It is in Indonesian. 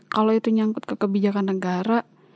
kalau itu nyangkut ke kebijakan negara